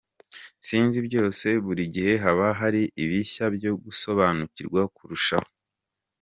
sinzi byose, buri gihe haba hari ibishya byo gusobanukirwa kurushaho.